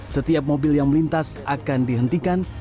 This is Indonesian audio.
setiap mobil yang melintas akan dihentikan